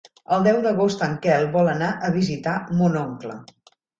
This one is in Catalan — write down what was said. El deu d'agost en Quel vol anar a visitar mon oncle.